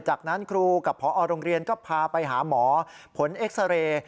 จากนั้นครูกับพอโรงเรียนก็พาไปหาหมอผลเอ็กซาเรย์